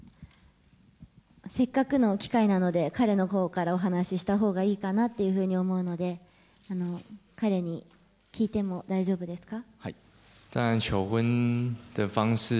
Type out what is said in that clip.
せっかくの機会なので、彼のほうからお話ししたほうがいいかなというふうに思うので、彼に聞いても大丈夫ですか？